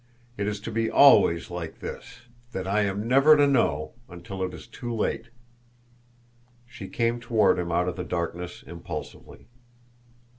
Is it to be always like this that I am never to know until it is too late!" She came toward him out of the darkness impulsively.